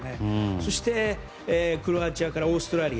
そしてクロアチアからオーストラリア